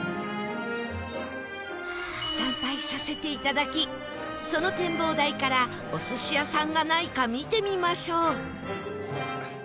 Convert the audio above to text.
参拝させていただきその展望台からお寿司屋さんがないか見てみましょう